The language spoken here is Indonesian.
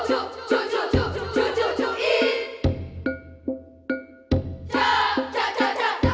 makan nyembah kering ibu berdiwi